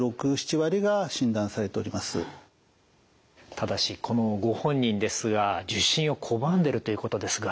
ただしこのご本人ですが受診を拒んでるということですが。